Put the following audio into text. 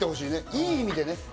いい意味でね。